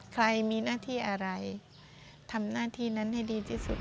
ใครมีหน้าที่อะไรทำหน้าที่นั้นให้ดีที่สุด